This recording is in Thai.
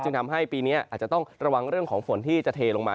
ทำให้ปีนี้อาจจะต้องระวังเรื่องของฝนที่จะเทลงมา